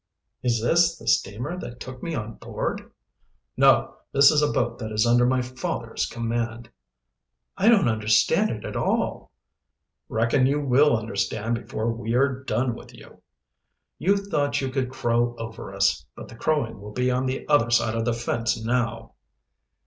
"Is this the steamer that took me on board?" "No, this is a boat that is under my father's command." "I don't understand it at all." "Reckon you will understand before we are done with you. You thought you could crow over us, but the crowing will be on the other side of the fence now."